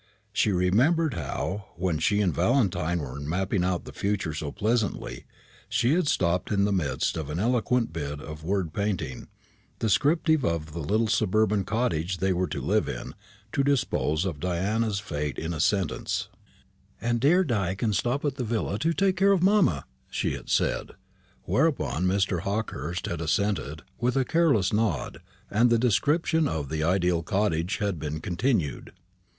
She remembered how, when she and Valentine were mapping out the future so pleasantly, she had stopped in the midst of an eloquent bit of word painting, descriptive of the little suburban cottage they were to live in, to dispose of Diana's fate in a sentence, "And dear Di can stop at the villa to take care of mamma," she had said; whereupon Mr. Hawkehurst had assented, with a careless nod, and the description of the ideal cottage had been continued.